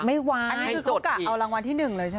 ไม่วายเขากะเอารางวัลที่๑เลยใช่ไหม